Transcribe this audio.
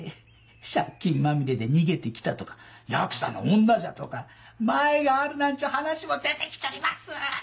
借金まみれで逃げて来たとかヤクザの女じゃとか前があるなんちゅう話も出て来ちょります！